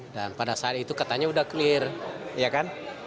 dan pada saat itu katanya sudah clear ya kan